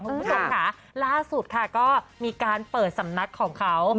คุณผู้ชมค่ะล่าสุดค่ะก็มีการเปิดสำนักของเขา